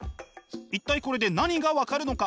一体これで何が分かるのか？